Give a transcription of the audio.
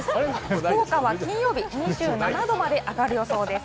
福岡は金曜日に１７度まで上がる予想です。